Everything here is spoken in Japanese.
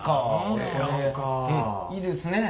いいですね。